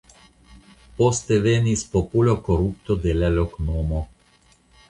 Poste venis popola korupto de la loknomo.